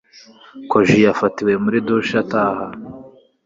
Koji yafatiwe muri douche ataha.